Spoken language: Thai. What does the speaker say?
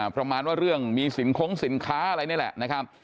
ประมาณว่าเรื่องมีสินคงสินค้าอะไรนี่แหละนะครับ